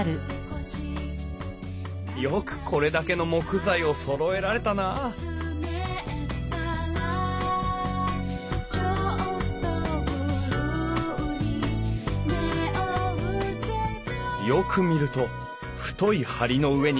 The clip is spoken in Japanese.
よくこれだけの木材をそろえられたなあよく見ると太い梁の上に小さな梁。